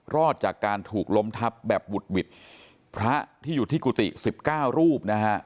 รอดจากการถูกล้มทับแบบบุดหวิดพระที่อยู่ที่กุฏิสิบเก้ารูปนะฮะ